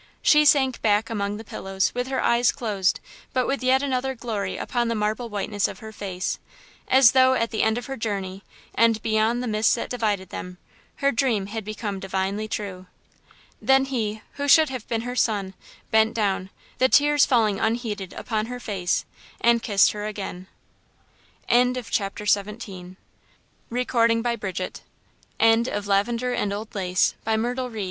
She sank back among the pillows, with her eyes closed, but with yet another glory upon the marble whiteness of her face, as though at the end of her journey, and beyond the mists that divided them, her dream had become divinely true. Then he, who should have been her son, bent down, the tears falling unheeded upon her face, and kissed her again. End of the Project Gutenberg EBook of Lavender and Old Lace, by Myrtle Reed END OF THIS PROJECT G